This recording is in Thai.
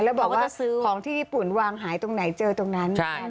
พี่บอกว่าของที่ญี่ปุ่นวางหายตรงไหนเจอตรงนั้น